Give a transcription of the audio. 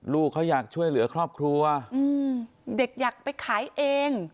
ลูกเขาอยากช่วยเหลือครอบครัวเด็กอยากไปขายเอง